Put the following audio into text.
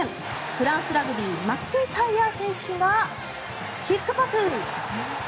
フランスラグビーマッキンタイヤー選手がキックパス。